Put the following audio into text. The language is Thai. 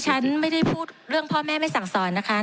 ผมจะขออนุญาตให้ท่านอาจารย์วิทยุซึ่งรู้เรื่องกฎหมายดีเป็นผู้ชี้แจงนะครับ